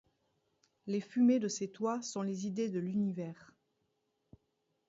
Les fumées de ses toits sont les idées de l’univers.